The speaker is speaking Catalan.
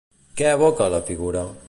Què evoca, la figura?